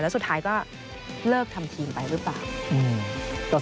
แล้วสุดท้ายก็เลิกทำทีมไปหรือเปล่า